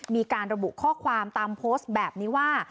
มีการระบุข้อความตามโพสต์แบบนี้ว่า